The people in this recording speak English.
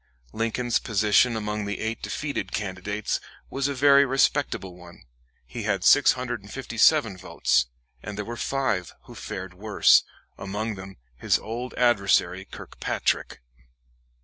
Lincoln's position among the eight defeated candidates was a very respectable one. He had 657 votes, and there were five who fared worse, among them his old adversary Kirkpatrick.